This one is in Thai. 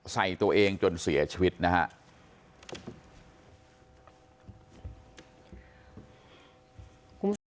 สวัสดีครับ